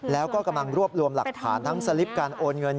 แล้วก็กำลังรวบรวมหลักฐานทั้งสลิปการโอนเงิน